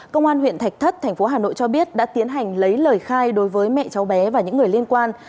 công an huyện thạch thất thành phố hà nội cho biết đã tiến hành lấy lời khai đối với mẹ cháu bé và những người liên quan